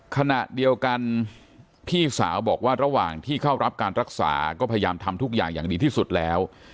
ขณะเดียวกันพี่สาวบอกว่าระหว่างที่เข้ารับการรักษาก็พยายามทำทุกอย่างอย่างดีที่สุดแล้ว